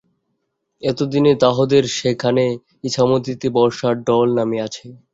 এতদিনে তাহদের সেখানে ইছামতীতে বর্ষার ঢল নামিয়াছে।